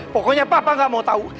pokoknya papa gak mau tahu